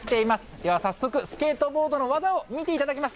では早速、スケートボードの技を見ていただきます。